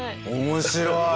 面白い！